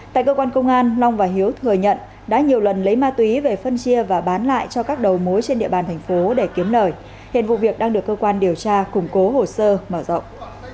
tại cơ quan công an long và hiếu thừa nhận đã nhiều lần lấy ma túy về phân chia và bán lại cho các đầu mối trên địa bàn thành phố để kiếm lời hiện vụ việc đang được cơ quan điều tra củng cố hồ sơ mở rộng